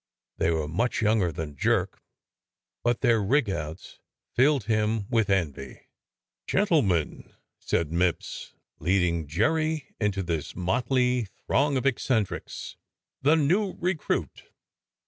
They were much younger than Jerk, but their rigouts filled him with envy. *' Gentlemen," said Mipps, leading Jerry into this motley throng of eccentrics, " the new recruit.